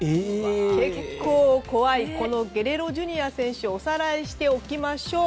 結構、怖いゲレーロＪｒ．選手をおさらいしておきましょう。